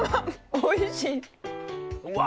おいしい。